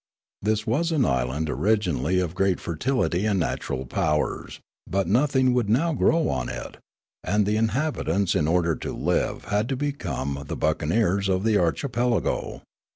This was an island originally of great fertility and natural powers, but nothing would now grow onit, and the inhabitants in order to live had to become the buc caneers of the archipelago.